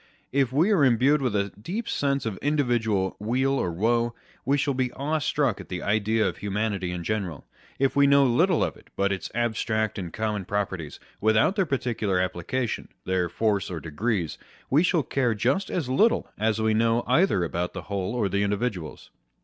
If we are imbued with a deep sense of individual weal or woe, we shall be awestruck at the idea of humanity in general. If we know little of it but its abstract and common properties, without their parti cular application, their force or degrees, we shall care just as little as we know either about the whole or the individuals.